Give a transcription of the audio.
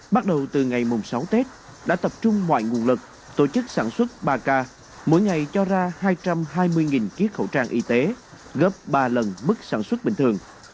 bắt đầu từ ngày mùng sáu tết đã tập trung mọi nguồn lực tổ chức sản xuất ba k mỗi ngày cho ra hai trăm hai mươi chiếc khẩu trang y tế gấp ba lần mức sản xuất bình thường